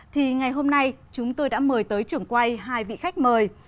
thì ngày hôm nay chúng tôi đã mời tới trưởng quay hai vị khách mời